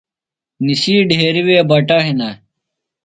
نِسی ڈھیرِیۡ وے بٹہ ہِنہ۔